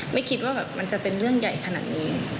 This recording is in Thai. ไม่คิดว่าแบบมันจะเป็นเรื่องใหญ่ขนาดนี้